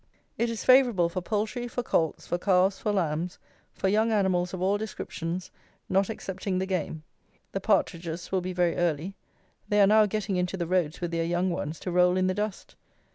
It is favourable for poultry, for colts, for calves, for lambs, for young animals of all descriptions, not excepting the game. The partridges will be very early. They are now getting into the roads with their young ones, to roll in the dust.